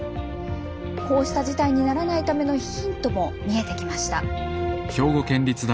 こうした事態にならないためのヒントも見えてきました。